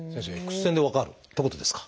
Ｘ線で分かるってことですか？